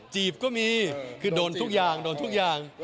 จีบก็มีคือโดนทุกอย่างโดนทุกอย่าง